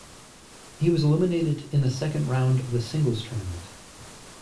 He was eliminated in the second round of the singles tournament.